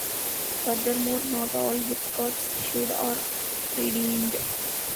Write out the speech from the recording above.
Furthermore, not all gift cards issued are redeemed.